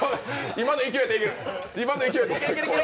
今の勢いでできる。